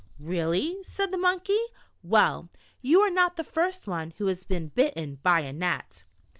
"Really?" said the Monkey. "Well, you are not the first one who has been bitten by a gnat."